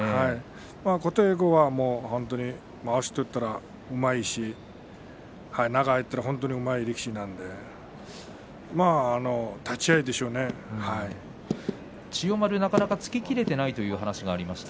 琴恵光は本当にまわしを取ったら、うまいし中に入ったら本当にうまい力士なので千代丸なかなか突ききれていないというお話がありました。